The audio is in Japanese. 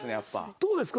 どうですか？